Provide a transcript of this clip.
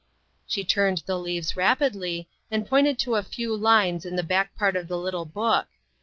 She turned the leaves rapidly, and pointed to a few lines in the bvick part of the lit 266 INTERRUPTED. tie book.